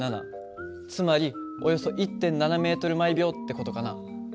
つまりおよそ１．７ｍ／ｓって事かな。